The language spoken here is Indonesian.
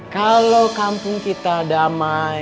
kalau kampung kita damai